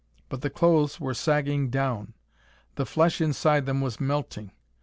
But the clothes were sagging down. The flesh inside them was melting....